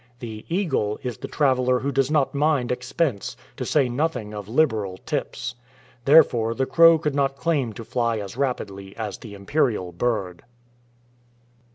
The "eagle" is the traveler who does not mind expense, to say nothing of liberal tips. Therefore the crow could not claim to fly as rapidly as the imperial bird.